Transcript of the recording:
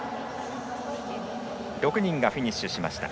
６人がフィニッシュしました。